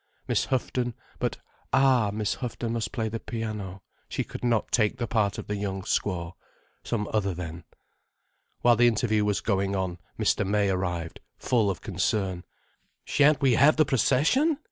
Miss Houghton—but ah, Miss Houghton must play the piano, she could not take the part of the young squaw. Some other then. While the interview was going on, Mr. May arrived, full of concern. "Shan't we have the procession!"